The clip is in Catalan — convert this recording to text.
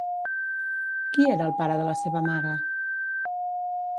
Qui era el pare de la seva mare?